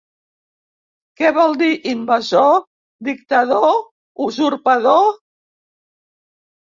¿Què vol dir invasor, dictador, usurpador?